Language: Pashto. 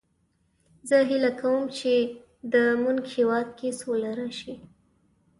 زه هیله کوم چې د مونږ هیواد کې سوله راشي